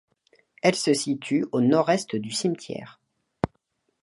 Elle se situe au nord-est du cimetière.